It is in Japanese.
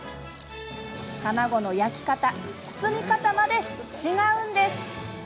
卵の焼き方、包み方まで違うんです！